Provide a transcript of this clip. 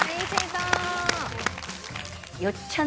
よっちゃん